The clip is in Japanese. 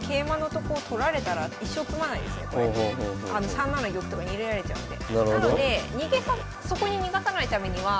３七玉とか逃げられちゃうんで。